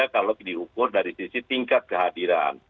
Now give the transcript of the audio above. kalau diukur dari sisi tingkat kehadiran